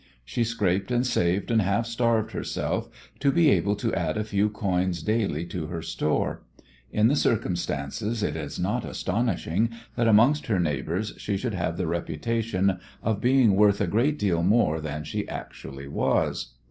She scraped and saved and half starved herself to be able to add a few coins daily to her store. In the circumstances, it is not astonishing that amongst her neighbours she should have had the reputation of being worth a great deal more than she actually was.